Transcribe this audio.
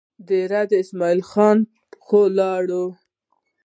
دېره اسمعیل خان خو یې لار وه.